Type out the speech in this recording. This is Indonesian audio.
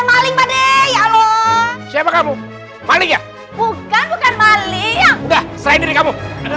maling maling ya loh siapa kamu maling ya bukan bukan maling udah selain kamu